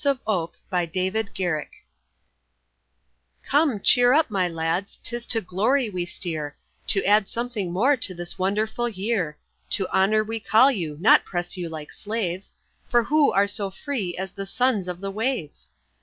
DEAN STANLEY HEARTS OF OAK Come, cheer up, my lads, 'tis to glory we steer, To add something more to this wonderful year, To honour we call you, not press you like slaves, For who are so free as the sons of the waves?